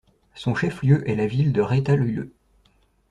Son chef-lieu est la ville de Retalhuleu.